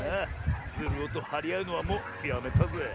ズルオとはりあうのはもうやめたぜ。